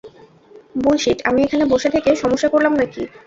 Bullshit আমি এখানে বসে থেকে সমস্যা করলাম নাকি?